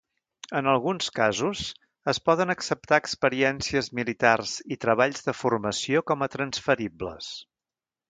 En alguns casos, es poden acceptar experiències militars i treballs de formació com a transferibles.